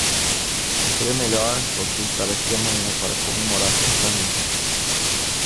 Seria melhor você estar aqui amanhã para comemorar corretamente.